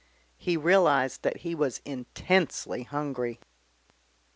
He realised that he was intensely hungry.